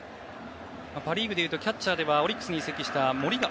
パ・リーグでいうとキャッチャーではオリックスに移籍した森が。